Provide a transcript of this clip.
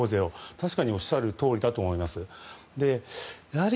確かにおっしゃるとおりだと思います。